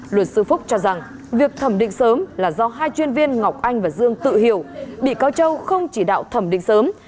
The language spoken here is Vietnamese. luật sư phúc cho rằng việc thẩm định sớm là do hai chuyên viên ngọc anh và dương tự hiểu bị cáo châu không chỉ đạo thẩm định sớm